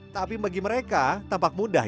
tapi bagi mereka tampak mudah